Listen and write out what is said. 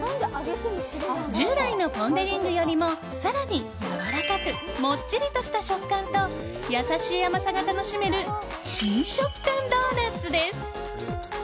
従来のポン・デ・リングよりも更に、やわらかくもっちりとした食感と優しい甘さが楽しめる新食感ドーナツです。